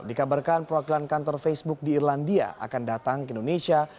dikabarkan perwakilan kantor facebook di irlandia akan datang ke indonesia